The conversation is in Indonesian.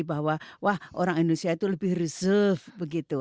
bahwa wah orang indonesia itu lebih reserve begitu